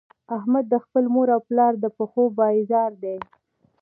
احمد د خپل مور او پلار د پښو پایزار دی.